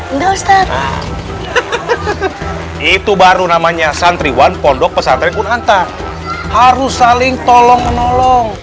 enggak ustadz itu baru namanya santriwan pondok pesantren kunantan harus saling tolong menolong